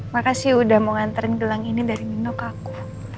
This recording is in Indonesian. makasih udah mau nganterin gelang ini dari mino ke aku